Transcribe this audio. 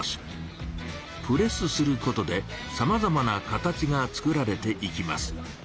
プレスすることでさまざまな形が作られていきます。